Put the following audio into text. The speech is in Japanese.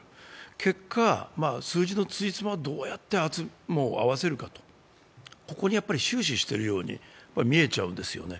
結果、数字のつじつまをどうやって合わせるか、ここに終始しているように見えちゃうんですよね。